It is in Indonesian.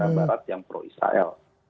dengan negara negara barat yang pro israel